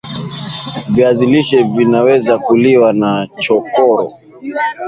viazi lishe Vinaweza kuliwa nachoroko